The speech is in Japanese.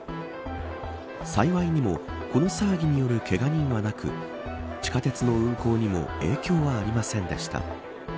幸いにもこの騒ぎによるけが人はなく地下鉄の運行にも影響はありませんでした。